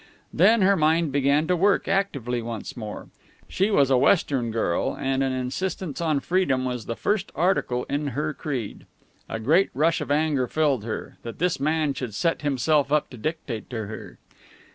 Then her mind began to work actively once more. She was a Western girl, and an insistence on freedom was the first article in her creed. A great rush of anger filled her, that this man should set himself up to dictate to her.